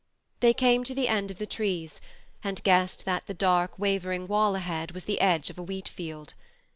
They came to the end of the trees, and guessed that the dark wavering wall ahead was the edge of a wheat field.